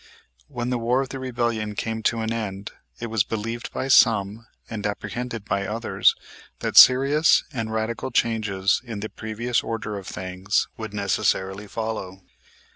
When the War of the Rebellion came to an end it was believed by some, and apprehended by others, that serious and radical changes in the previous order of things would necessarily follow.